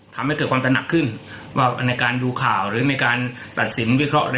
ทำให้เกิดความตระหนักขึ้นว่าในการดูข่าวหรือมีการตัดสินวิเคราะห์